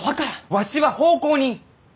わしは奉公人！